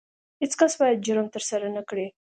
هیڅ کس باید جرم ترسره نه کړي.